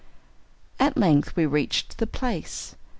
At length we reached the "place."